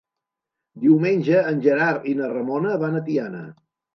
Diumenge en Gerard i na Ramona van a Tiana.